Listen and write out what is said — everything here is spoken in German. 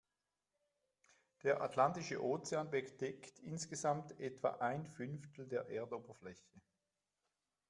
Der Atlantische Ozean bedeckt insgesamt etwa ein Fünftel der Erdoberfläche.